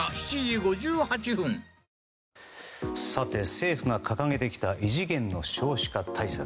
政府が掲げてきた異次元の少子化対策。